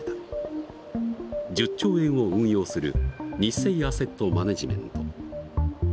１０兆円を運用するニッセイアセットマネジメント。